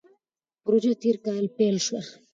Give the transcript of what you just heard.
پروژه تېر کال پیل شوه.